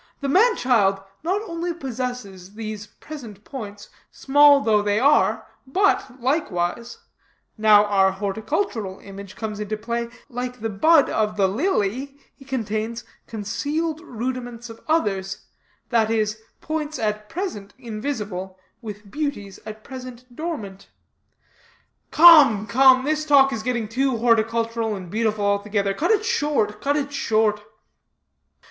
"The man child not only possesses these present points, small though they are, but, likewise now our horticultural image comes into play like the bud of the lily, he contains concealed rudiments of others; that is, points at present invisible, with beauties at present dormant." "Come, come, this talk is getting too horticultural and beautiful altogether. Cut it short, cut it short!"